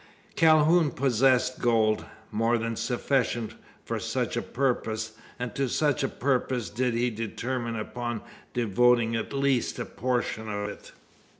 Calhoun possessed gold more than sufficient for such a purpose; and to such purpose did he determine upon devoting at least a portion of it.